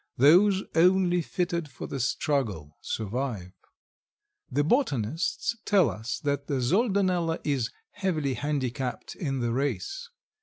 Those only fitted for the struggle survive. The botanists tell us that the Soldanella is heavily handicapped in the race.